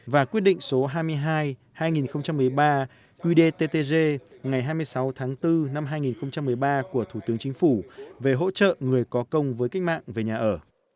và quyết định số hai mươi hai hai nghìn một mươi ba qdttg ngày hai mươi sáu tháng bốn năm hai nghìn một mươi ba của thủ tướng chính phủ về hỗ trợ người có công với cách mạng về nhà ở